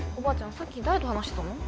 さっき誰と話してたの？